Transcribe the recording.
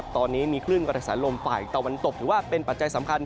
ตอนนี้มีคลื่นกระแสลมฝ่ายตะวันตกถือว่าเป็นปัจจัยสำคัญ